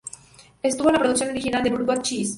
Estuvo en la producción original de Broadway Chess.